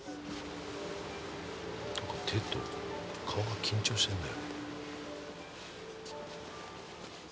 テッド顔が緊張してるんだよ。